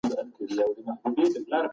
د ټولني په اړه فکر پخوانۍ ريښې لري.